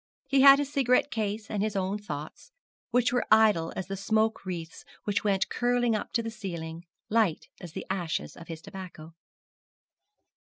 He had his cigarette case and his own thoughts, which were idle as the smoke wreaths which went curling up to the ceiling, light as the ashes of his tobacco.